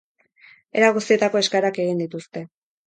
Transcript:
Era guztietako eskaerak egin dituzte.